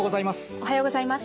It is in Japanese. おはようございます。